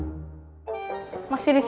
ya papa balik